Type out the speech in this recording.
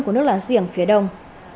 của nước làng riềng phía đông